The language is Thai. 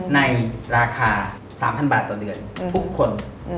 ในราคา๓๐๐บาทต่อเดือนทุกคน